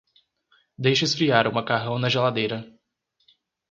Deixe esfriar o macarrão na geladeira.